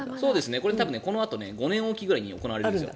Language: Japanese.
このあと５年おきぐらいに行われるんですよ。